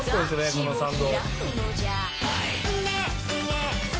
このサウンド。